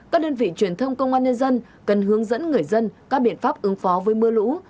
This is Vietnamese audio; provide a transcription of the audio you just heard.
các đơn vị truyền thông công an nhân dân cần hướng dẫn người dân các biện pháp ứng phó với mưa lũ